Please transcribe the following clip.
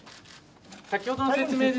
先ほどの説明で。